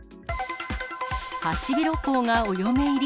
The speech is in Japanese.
ハシビロコウがお嫁入り。